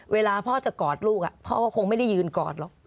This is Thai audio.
เวลาพ่อจะกอดลูกพ่อก็คงไม่ได้ยืนกอดหรอก